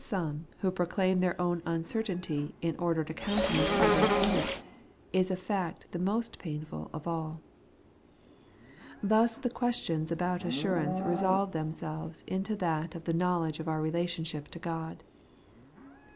167 some who proclaim their own uncertainty in order to countenance others in it, is a fact the most pain ful of all. Thus the questions about assurance resolve them selves into that of the knowledge of our relationship to God.